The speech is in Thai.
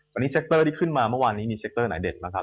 ตอนนี้เซ็กเตอร์ที่ขึ้นมาเมื่อวานนี้มีเซ็กเตอร์ไหนเด็ดบ้างครับ